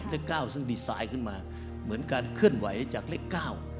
เล็ก๙ที่เราดีไซน์ขึ้นมาเหมือนการเคลื่อนไหวจากเล็ก๙